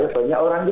banyak orang itu